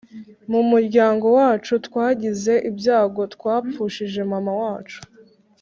Mumuryango wacu twagize ibyago twapfushije mama wacu